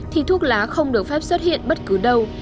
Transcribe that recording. thì thuốc lá không được phép xuất hiện bất cứ đâu